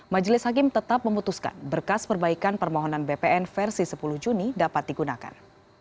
majelis hakim tetap memutuskan berkas perbaikan permohonan bpn versi sepuluh juni dapat digunakan